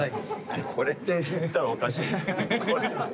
えっこれで行ったらおかしい。